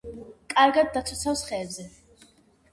კარგად დაცოცავს ხეებზე.